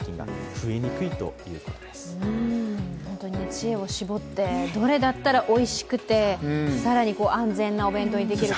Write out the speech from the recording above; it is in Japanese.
知恵を絞って、どれだったらおいしくて、更に安全なお弁当にできるか。